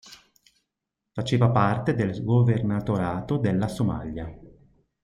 Faceva parte del governatorato della Somalia.